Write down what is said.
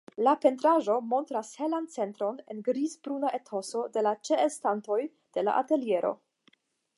La pentraĵo montras helan centron en grizbruna etoso de la ĉeestantoj de la ateliero.